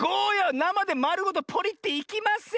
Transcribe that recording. なまでまるごとポリッていきません！